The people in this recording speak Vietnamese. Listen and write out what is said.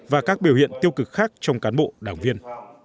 và các biểu hiện tiêu cực khác trong cán bộ đảng viên